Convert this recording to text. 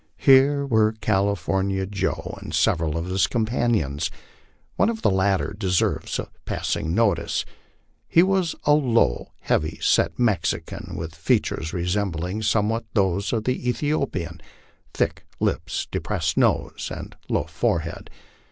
Here were California Joe and several of his companions. One of the latter deserves a passing notice. He was a low. heavy set Mexican, with features resembling somewhat those of the Ethiopian thick lips, depressed nose, and low forehead.